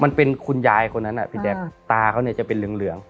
มันเป็นคุณยายคนนั้นตาเขาจะเป็นเหลือง